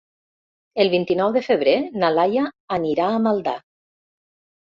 El vint-i-nou de febrer na Laia anirà a Maldà.